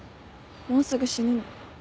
もうすぐ死ぬの。